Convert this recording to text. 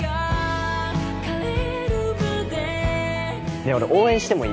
ねえ俺応援してもいい？